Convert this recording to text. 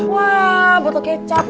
wah botol kecap gue